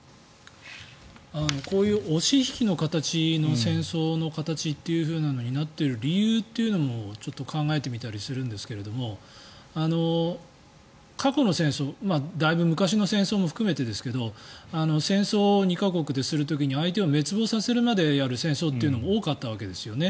こういう押し引きの形の戦争の形というふうになっている理由というのもちょっと考えてみたりするんですが過去の戦争だいぶ昔の戦争も含めてですが戦争２か国でする時に相手を滅亡させるまでする戦争というのも多かったんです。